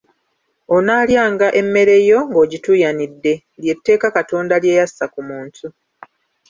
"Onaalyanga emmere yo ng'ogituyanidde", lye tteeka Katonda lya yassa ku muntu.